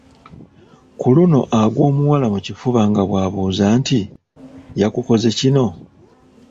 Ku luno agwa omuwala mu kifuba nga bw’abuuza nti, “yakukoze kino?"